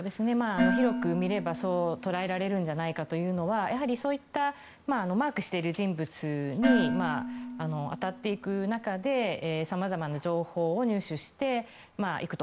広く見ればそう捉えられるんじゃないかというのはやはり、そういったマークしている人物に当たっていく中でさまざまな情報を入手していくと。